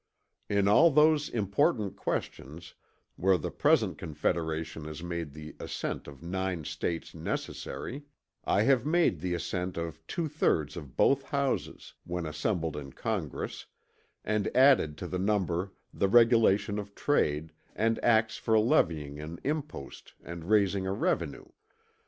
"In all those important questions, where the present confederation has made the assent of nine States necessary, I have made the assent of two thirds of both Houses, when assembled in Congress, and added to the number the regulation of trade, and acts for levying an impost and raising a revenue.